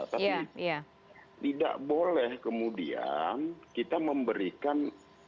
tapi tidak boleh kemudian kita memberikan